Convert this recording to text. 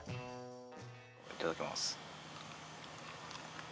いただきます。